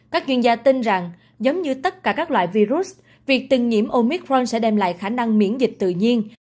các chuyên gia tin rằng giống như tất cả các loại virus việc từng nhiễm omicron sẽ đem lại khả năng miễn dịch tự nhiên